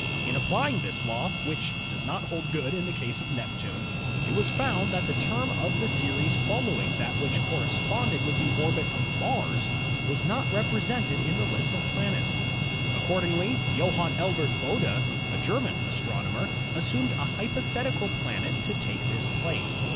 In applying this law (which does not hold good in the case of Neptune) it was found that the term of the series following that which corresponded with the orbit of Mars was not represented in the list of planets. Accordingly Johann Elbert Bode (1747 1826), a German astronomer, assumed a hypotheti cal planet to take this place.